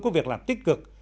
có việc làm tích cực